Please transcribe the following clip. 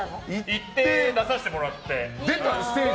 行って、出させてもらって。